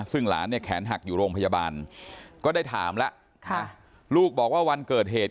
ซึ่งหลานเนี่ยแขนหักอยู่โรงพยาบาลก็ได้ถามแล้วลูกบอกว่าวันเกิดเหตุ